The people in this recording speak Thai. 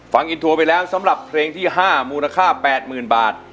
ฟังอินโทรไปแล้วสำหรับเพลงที่๕มูลค่า๘๐๐๐บาท